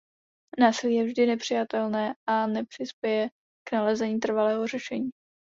Násilí je vždy nepřijatelné a nepřispěje k nalezení trvalého řešení.